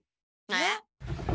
えっ？